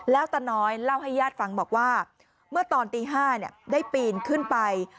แล้วตาน้อยเล่าให้ญาติฟังบอกว่าเมื่อตอนตี๕ได้ปีนขึ้นไป